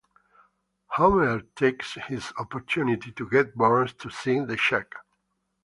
Homer takes this opportunity to get Burns to sign the check.